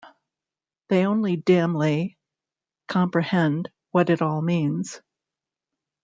They only dimly comprehend what it all means.